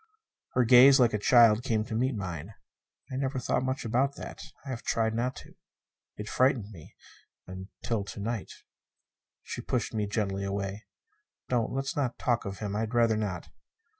Her gaze like a child came up to meet mine. "I never thought much about that. I have tried not to. It frightened me until to night." She pushed me gently away. "Don't. Let's not talk of him. I'd rather not."